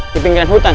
di pinggiran hutan